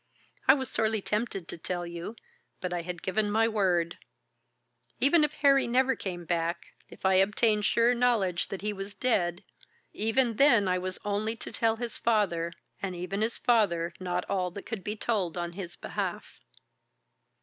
I was sorely tempted to tell you, but I had given my word. Even if Harry never came back, if I obtained sure knowledge that he was dead, even then I was only to tell his father, and even his father not all that could be told on his behalf."